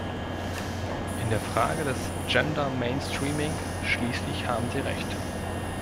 In der Frage des Gender-Mainstreaming schließlich haben Sie Recht.